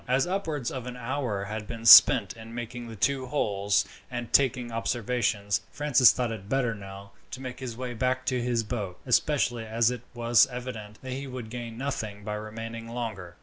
As upwards of an hour had been spent in making the two holes and taking observations, Francis thought it better now to make his way back to his boat, especially as it was evident that he would gain nothing by remaining longer.